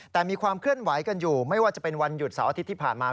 แต่มีความเคลื่อนไหวกันอยู่ไม่ว่าจะเป็นวันหยุดเสาร์อาทิตย์ที่ผ่านมา